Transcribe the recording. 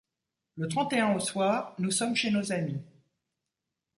Le trente-et-un au soir nous somme chez nos amis